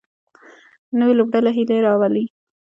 نوې لوبډله هیله راولي